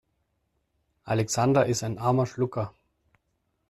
Alexander ist ein armer Schlucker.